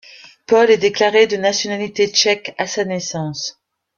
Paul est déclaré de nationalité tchèque à sa naissance.